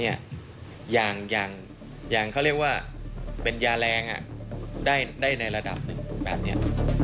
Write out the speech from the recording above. อย่างเขาเรียกว่าเป็นยาแรงได้ในระดับหนึ่งแบบนี้